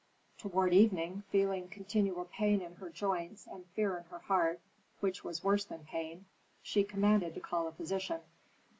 Toward evening, feeling continual pain in her joints and fear in her heart, which was worse than pain, she commanded to call a physician.